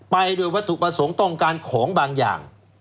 ไปโดยวัตถุประสงค์ต้องการของบางอย่าง